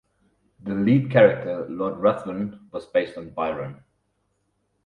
The lead character, Lord Ruthven, was based on Byron.